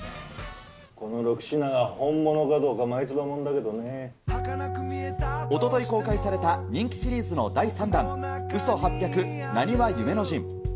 この６品が本物かどうか、おととい公開された、人気シリーズの第３弾、嘘八百なにわ夢の陣。